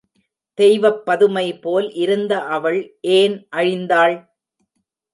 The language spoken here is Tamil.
தெய்வப் பதுமைபோல் இருந்த அவள் ஏன் அழிந்தாள்?.